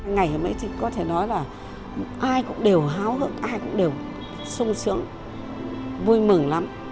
ngày hôm ấy thì có thể nói là ai cũng đều háo hức ai cũng đều sung sướng vui mừng lắm